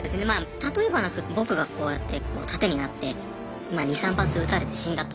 例えばなんですけど僕がこうやってこう盾になってまあ２３発撃たれて死んだと。